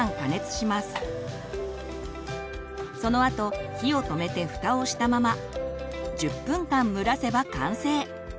そのあと火を止めてふたをしたまま１０分間蒸らせば完成！